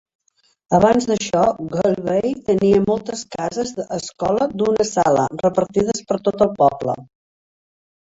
Abans d'això, Galway tenia moltes cases escola d'una sala repartides per tot el poble.